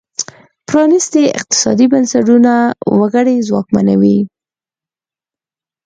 پرانیستي اقتصادي بنسټونه وګړي ځواکمنوي.